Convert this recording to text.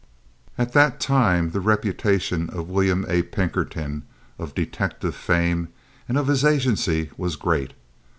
At that time, the reputation of William A. Pinkerton, of detective fame, and of his agency was great.